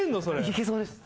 いけそうです。